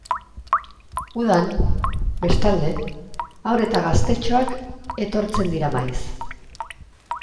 Udan, bestalde, haur eta gaztetxoak etortzen dira maiz.